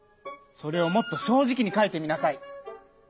それをもっと正じきにかいてみなさい。